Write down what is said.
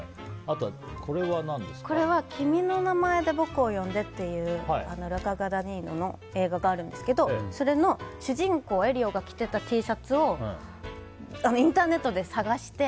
これは「君の名前で僕を呼んで」という映画があるんですけど主人公エリオが着ていたＴシャツをインターネットで探して。